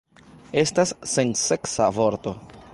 Estas senseksa vorto.